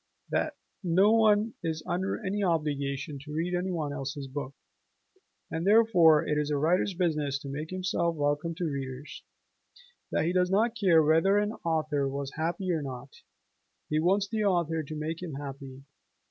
that "no one is under any obligation to read any one else's book," and therefore it is a writer's business to make himself welcome to readers; that he does not care whether an author was happy or not, he wants the author to make him happy.